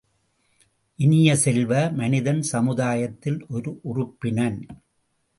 இனிய செல்வ, மனிதன் சமுதாயத்தில் ஒரு உறுப்பினன்.